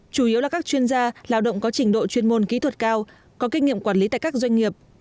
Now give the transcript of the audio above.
chủ yếu là các chuyên gia lao động có trình độ chuyên môn kỹ thuật cao có kinh nghiệm quản lý tại các doanh nghiệp